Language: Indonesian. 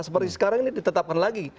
seperti sekarang ini ditetapkan lagi